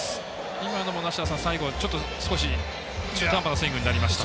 今のも梨田さん最後、少し中途半端なスイングになりました。